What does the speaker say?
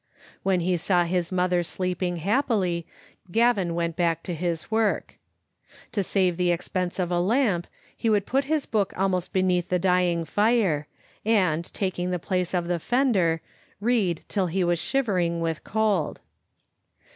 When he saw his mother sleeping happily, Gavin went back to his work. To save the expense of a lamp, he would put his book almost beneath the dying fire, and, taking the place of the fender, read till he was shivering with cold.